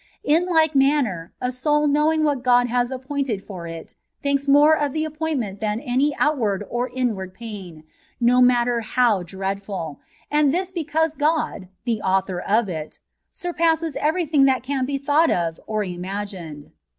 In like manner, a soul knowing what God has appointed 24 A TREATISE ON PURGATORY. for it thinks more of the appointment tlian any OTitward or inward pain, no matter how dreadfdl; and thìs because God, the author of it, surpasses every thing that can be thought of or imagined.